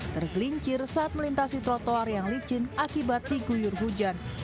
tergelincir saat melintasi trotoar yang licin akibat diguyur hujan